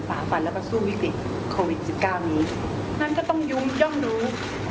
ฝาฟันและประสูจน์วิกฤตโควิดสิบเก้านี้นั้นจะต้องยุ่งย่อมรู้